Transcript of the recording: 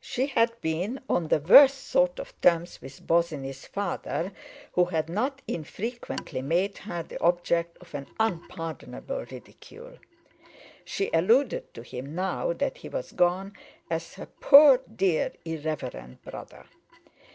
She had been on the worst sort of terms with Bosinney's father, who had not infrequently made her the object of an unpardonable ridicule. She alluded to him now that he was gone as her "poor, dear, irreverend brother."